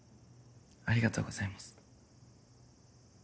ありがとうございます。